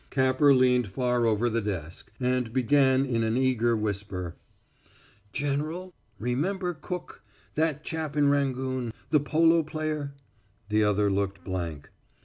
Capper leaned far over the desk, and began in an eager whisper: "General, remember Cook that chap in Rangoon the polo player?" The other looked blank.